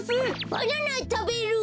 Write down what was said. バナナたべる！